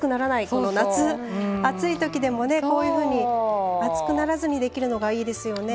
この夏暑いときでもねこういうふうに暑くならずにできるのがいいですよね。